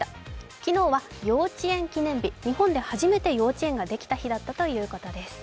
昨日は幼稚園記念日、日本で初めて幼稚園ができた日だったということです。